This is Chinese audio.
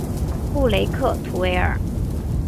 布雷克图维尔。